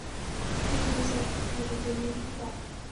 هغه ډير زيات ويرويدلې وه.